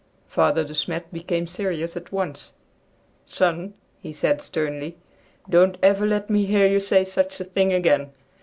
Father De Smet became serious at once. "Son," he said sternly, "don't ever let me hear you say such a thing again.